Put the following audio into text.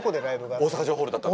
大阪城ホールだったの。